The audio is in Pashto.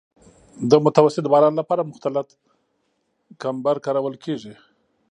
د متوسط باران لپاره مختلط کمبر کارول کیږي